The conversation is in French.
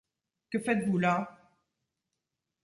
Que faites-vous là?